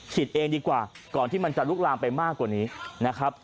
เองดีกว่าก่อนที่มันจะลุกลามไปมากกว่านี้นะครับ